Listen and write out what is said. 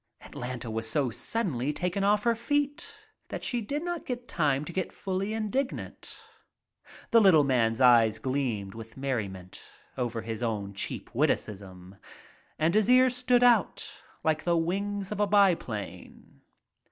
Atlanta was so suddenlv taken "off her feet" that u it ti she did not get time to get fully indignant, little man's eyes gleamed with merriment over his own cheap witticism and his ears stood out like the wings on a biplane.